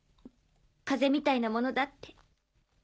風邪みたいなものだって。